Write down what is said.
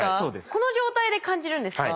この状態で感じるんですか？